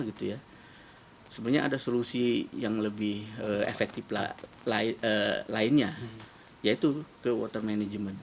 sebenarnya ada solusi yang lebih efektif lainnya yaitu ke water management